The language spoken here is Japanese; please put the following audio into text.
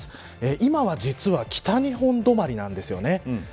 今は、実は北日本止まりです。